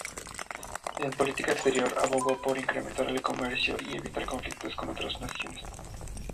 En política exterior, abogó por incrementar el comercio y evitar conflictos con otras naciones.